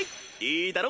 いいだろ？